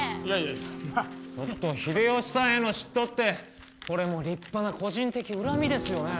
秀吉さんへの嫉妬ってこれも立派な個人的恨みですよね？